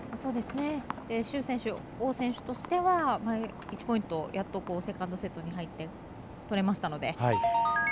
朱選手、王選手としては１ポイントやっと、セカンドセットに入って取れましたので。